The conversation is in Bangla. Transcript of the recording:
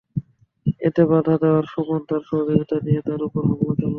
এতে বাধা দেওয়ায় সুমন তাঁর সহযোগীদের নিয়ে তাঁর ওপর হামলা চালান।